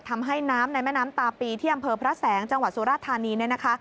ทำให้น้ำในแม่น้ำตาปีที่อำเภอพระแสงจังหวัดสุราธานีเนี่ยนะคะ